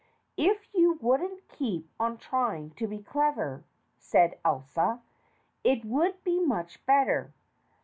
"If you wouldn't keep on trying to be clever," said Elsa, "it would be much better.